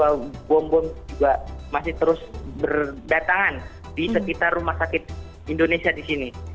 bahkan sebelum kita lihat bom bom juga masih terus berdatangan di sekitar rumah sakit indonesia di sini